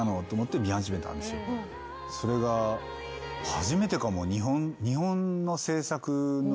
それが初めてかも。